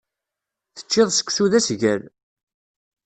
Teččiḍ seksu d asgal.